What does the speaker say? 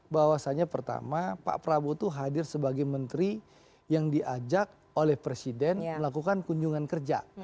bahwasannya pertama pak prabowo itu hadir sebagai menteri yang diajak oleh presiden melakukan kunjungan kerja